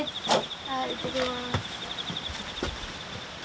はーいいってきます。